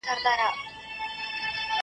کارکوونکي هره ورځ دفتر ته ځي.